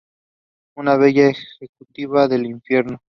Una bella ejecutiva de Inferno.